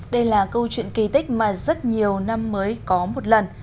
đây là câu chuyện kỳ tích mà rất nhiều năm mới có một lần